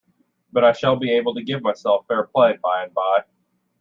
But I shall be able to give myself fair-play by-and-by.